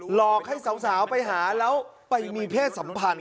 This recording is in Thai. หลอกให้สาวไปหาแล้วไปมีเพศสัมพันธ์